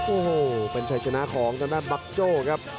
โอ้โฮเป็นชายชนะของกะลัดบัคโจ้ครับ